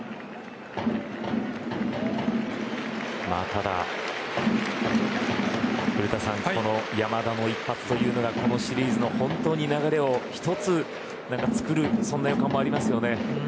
ただ、古田さんこの山田の一発というのがこのシリーズの本当に流れを一つつくれそうな予感もありますよね。